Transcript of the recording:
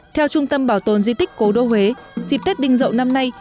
theo trung tâm bảo tồn di tích cố đô huế dịp tết đinh dậu năm nay